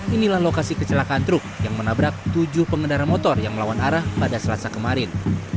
inilah lokasi kecelakaan truk yang menabrak tujuh pengendara motor yang melawan arah pada selasa kemarin